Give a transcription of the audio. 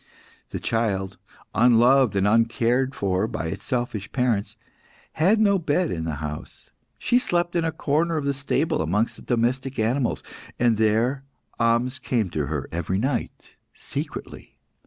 The child, unloved and uncared for by its selfish parents, had no bed in the house. She slept in a corner of the stable amongst the domestic animals, and there Ahmes came to her every night secretly.